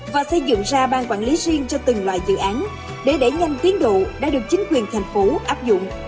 và xây dựng ra ban quản lý riêng cho từng loại dự án để đẩy nhanh tiến độ đã được chính quyền thành phố áp dụng